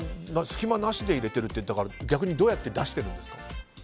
隙間なしで入れてるって逆にどうやって出してるんですか。